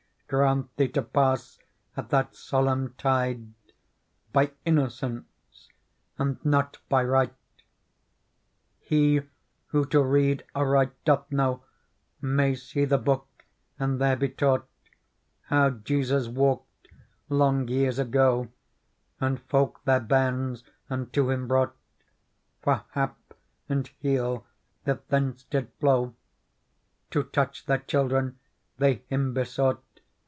Grant thee to pass at that solemn tide By innocence, and not by right ! Digitized by Google PEARL 31 '' He who to read aright doth know May see the Book, and there be taught How Jesus walked, long years ago, And folk their bairns unto Him brought ; For hap and heal that thence did flow. To touch their children they Him besought.